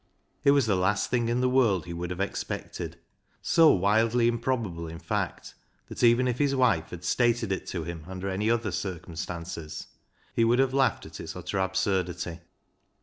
It was the last thing in the world he would have expected — so wildly improbable, in fact, that if even his wife had stated it to him under any other circumstances he would have laughed at its utter absurdity.